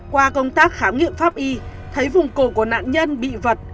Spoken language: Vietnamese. qua công tác khám nghiệm pháp y thấy vùng cổ của nạn nhân bị vật